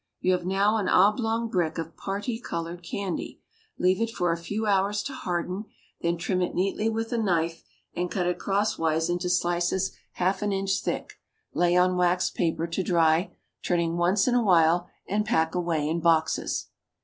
You have now an oblong brick of parti colored candy; leave it for a few hours to harden, then trim it neatly with a knife and cut it crosswise into slices half an inch think, lay on waxed paper to dry, turning once in a while, and pack away in boxes.